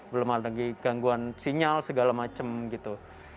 belum ada lagi gangguan sinyal segala macam gitu